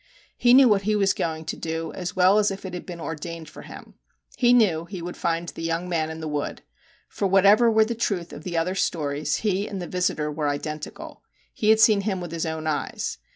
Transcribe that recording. He knew what he was going to do as well as if it had been ordained for him. He knew he would find the young man in the wood ; for whatever were the truth of the other stories, he and the visitor were identical ; he had seen him with his own eyes.